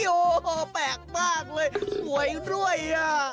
โอ้โฮแปลกมากเลยไปด้วย